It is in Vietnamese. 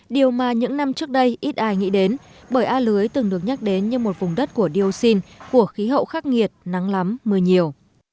điều mà những năm trước đây ít ai nghĩ đến bởi a lưới từng được nhắc đến như một vùng đất của dioxin của khí hậu khắc nghiệt nắng lắm mưa nhiều